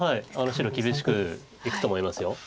白厳しくいくと思います。